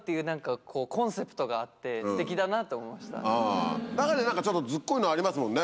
あぁ中にはちょっとずっこいのありますもんね。